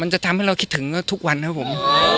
จะทำให้เราคิดถึงทุกวันครับผม